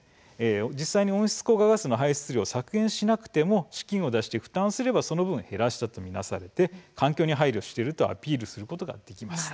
実際に温室効果ガスの排出量を削減しなくても資金を出して負担すればその分、減らしたと見なされて環境に配慮しているとアピールできるということです。